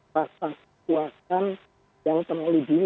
pasang kekuatan yang kembali dini